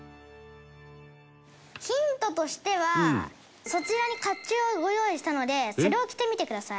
ヒントとしてはそちらに甲冑をご用意したのでそれを着てみてください。